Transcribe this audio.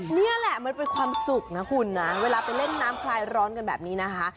นี่แหละมันเป็นความสุขนะคุณนะเวลาไปเล่นน้ำคลายร้อนกันแบบนี้นะคะ